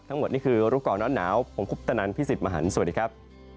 ทั้งหมดนี้คือรุกรณ์อาวุธหนาวผมคุปตะนันท์พี่สิทธิ์มหันธ์สวัสดีครับ